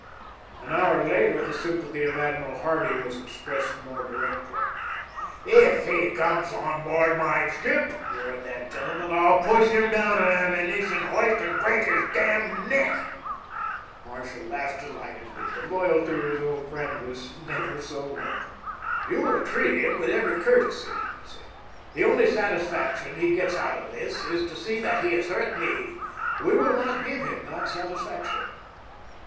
An hour later the sympathy of Admiral Hardy was expressed more directly. "If he comes on board my ship," roared that gentleman, "I'll push him down an ammunition hoist and break his damned neck!" Marshall laughed delightedly. The loyalty of his old friend was never so welcome. "You'll treat him with every courtesy," he said. "The only satisfaction he gets out of this is to see that he has hurt me. We will not give him that satisfaction."